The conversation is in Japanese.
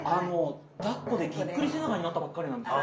だっこでギックリ背中になったばっかりなんですよ。